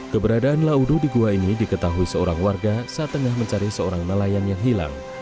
keberadaan laudo di gua ini diketahui seorang warga saat tengah mencari seorang nelayan yang hilang